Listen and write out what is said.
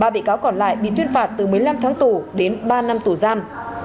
ba bị cáo còn lại bị tuyên phạt từ một mươi năm tháng tù đến ba năm tù giam